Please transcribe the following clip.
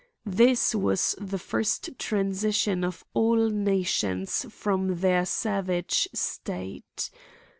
This was the first transition of all nations from their savage state.